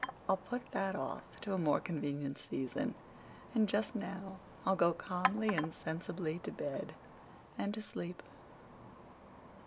I'll put that off to a more convenient season, and just now I'll go calmly and sensibly to bed and to sleep."